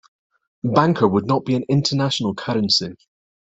Bancor would not be an international currency.